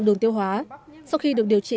đường tiêu hóa sau khi được điều trị